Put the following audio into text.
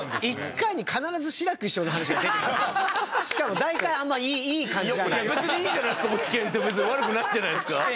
別にいいじゃないですか